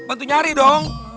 bantu nyari dong